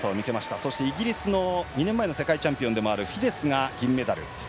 そして、イギリスの２年前の世界チャンピオンであるフィデスが銀メダル。